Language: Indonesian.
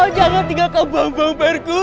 jangan tinggalkan bambang perguso